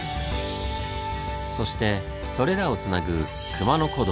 そしてそれらをつなぐ熊野古道。